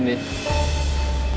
nanti aku sama sofi ya